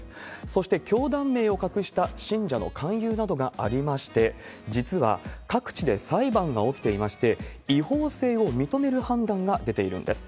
そして教団名を隠した信者の勧誘などがありまして、実は各地で裁判が起きていまして、違法性を認める判断が出ているんです。